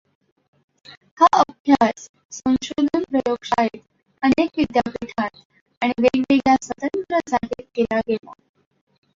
हा अभ्यास संशोधन प्रयोगशाळेत, अनेक विद्यापीठांत आणि वेगवेगळ्या स्वतंत्र जागेत केला गेला.